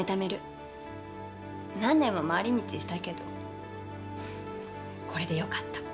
何年も回り道したけどこれでよかった。